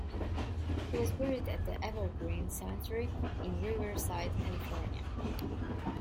He was buried at the Evergreen Cemetery in Riverside, California.